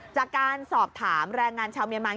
จากการสอบถามแรงงานชาวเมียนมา